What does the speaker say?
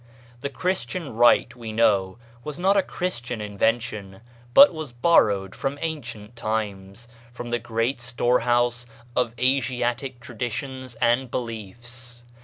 The Christian rite, we know, was not a Christian invention, but was borrowed from ancient times, from the great storehouse of Asiatic traditions and beliefs.